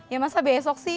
ya masa besok sih